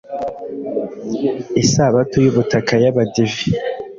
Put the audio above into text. isabato y ubutaka yabadive